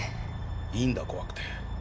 いいんだ怖くて。